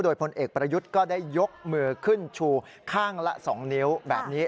โดยพลเอกประยุทธ์ก็ได้ยกมือขึ้นชูข้างละ๒นิ้วแบบนี้